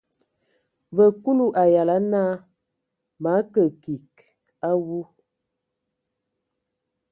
Vǝ Kulu a yalan naa: Mǝ akə kig a awu.